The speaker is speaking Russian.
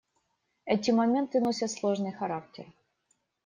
Эти моменты носят сложный характер.